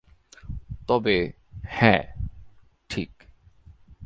তবে, হ্যাঁ, ঠিক।